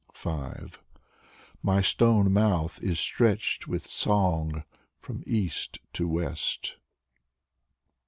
5 My stone mouth Is stretched with song From cast to west.